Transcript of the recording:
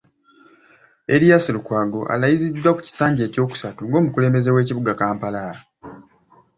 Erias Lukwago, alayiziddwa ku kisanja ekyokusatu ng’omukulembeze w’ekibuga Kampala.